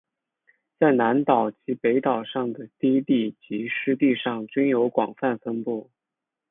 在南岛及北岛上的低地及湿地上均有广泛分布。